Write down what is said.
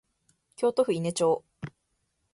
京都府伊根町